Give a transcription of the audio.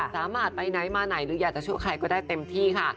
สามารถไปไหนมาไหนหรืออยากจะช่วยใครก็ได้เต็มที่ค่ะ